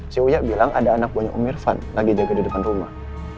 si uya bilang ada anak buahnya om irfan lagi jaga di depan rumah